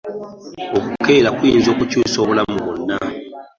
Okukeera kuyinza okukyusa obulamu bwonna.